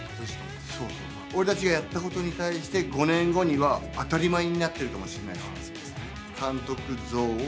俺たちがやったことに対して、５年後には、当たり前になってるかもしれない。